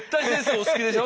お好きでしょ